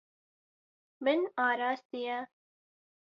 Min arastiye.